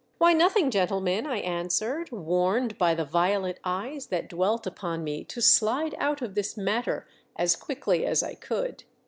"Why, nothing, gentlemen," I answered, warned by the violet eyes that dwelt upon me to slide out of this matter as quickly as I could.